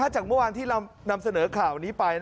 จากเมื่อวานที่เรานำเสนอข่าวนี้ไป